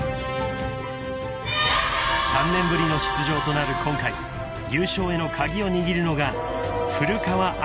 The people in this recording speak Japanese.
［３年ぶりの出場となる今回優勝への鍵を握るのが］